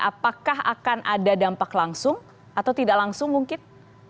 apakah akan ada dampak langsung atau tidak langsung mungkin